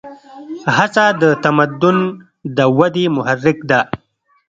هڅه د تمدن د ودې محرک ده.